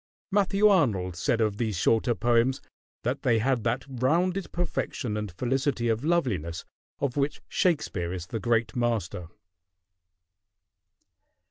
Matthew Arnold said of these shorter poems that they had "that rounded perfection and felicity of loveliness of which Shakespeare is the great master."